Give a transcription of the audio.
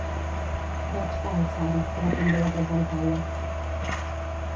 Goig fa el sant, però també la presentalla.